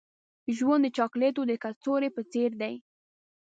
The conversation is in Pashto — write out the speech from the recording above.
ژوند د چاکلیټو د کڅوړې په څیر دی.